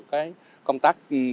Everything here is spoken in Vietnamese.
cái công tác